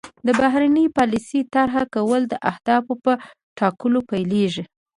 د بهرنۍ پالیسۍ طرح کول د اهدافو په ټاکلو پیلیږي